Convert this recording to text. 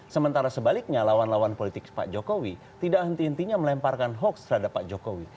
sementara sebaliknya lawan lawan politik pak jokowi tidak henti hentinya melemparkan hoax terhadap pak jokowi